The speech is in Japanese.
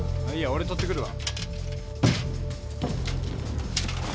俺取ってくるわ。